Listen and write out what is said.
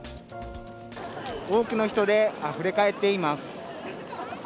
多くの人であふれ返っています。